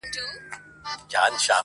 چي د تاج دي سو دښمن مرګ یې روا دی؛